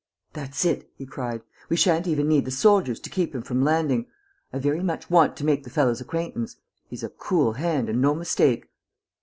"That's it!" he cried. "We shan't even need the soldiers to keep him from landing. I very much want to make the fellow's acquaintance. He's a cool hand and no mistake!"